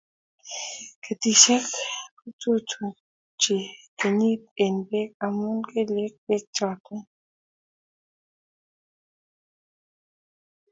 Ketisiek kochuchuchi konyi eng bek amu Kyle bek choto.